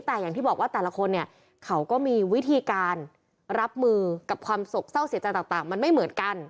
แต่อย่างที่บอกว่าแต่ละคนเนี่ยเขาก็มีวิธีการรับมือกับความสกเศร้าเสียใจต่างมันไม่เหมือนกัน